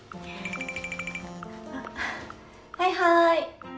あっはいはい。